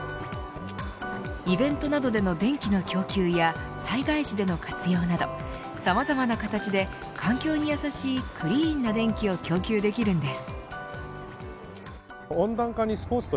イベントなどでの電気の供給や災害時での活用などさまざまな形で環境にやさしいクリーンな電気を供給できるんです。